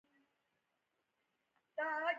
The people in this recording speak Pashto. د عقل لپاره میدان وړوکی کېږي.